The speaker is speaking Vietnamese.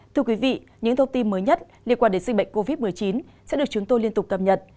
thưa quý vị những thông tin mới nhất liên quan đến dịch bệnh covid một mươi chín sẽ được chúng tôi liên tục cập nhật